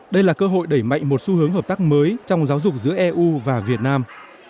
đây là cơ hội đẩy mạnh một xu hướng hợp tác mới trong giáo dục giữa eu và việt nam